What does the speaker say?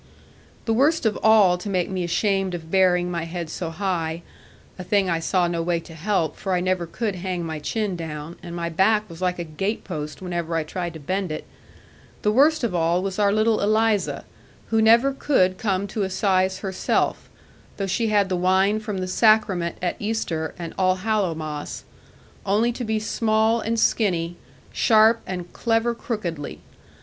The worst of all to make me ashamed of bearing my head so high a thing I saw no way to help, for I never could hang my chin down, and my back was like a gatepost whenever I tried to bend it the worst of all was our little Eliza, who never could come to a size herself, though she had the wine from the Sacrament at Easter and Allhallowmas, only to be small and skinny, sharp, and clever crookedly.